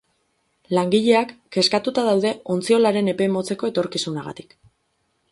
Langileak kezkatuta daude ontziolaren epe motzeko etorkizunagatik.